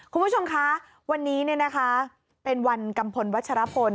คุณผู้ชมคะวันนี้เป็นวันกัมพลวัชรพล